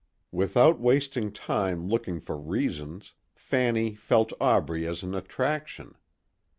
Without wasting time looking for reasons, Fanny felt Aubrey as an attraction.